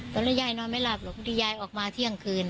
ยายนอนไม่หลับหรอกบางทียายออกมาเที่ยงคืน